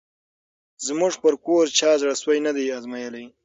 زموږ پر کور چا زړه سوی نه دی آزمییلی